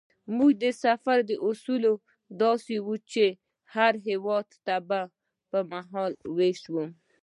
زموږ د سفر اصول داسې وو چې هر هېواد ته به مهال وېش وو.